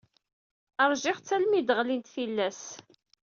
Ṛjiɣ-tt armi i d-ɣlint tillas.